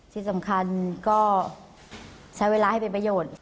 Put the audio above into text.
ที่สำคัญก็ใช้เวลาให้เป็นประโยชน์